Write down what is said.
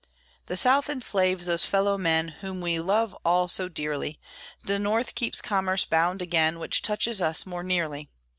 The South enslaves those fellow men Whom we love all so dearly; The North keeps commerce bound again, Which touches us more nearly.